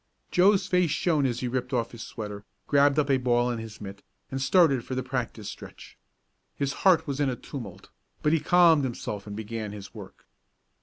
Joe's face shone as he ripped off his sweater, grabbed up a ball and his mitt, and started for the practice stretch. His heart was in a tumult, but he calmed himself and began his work.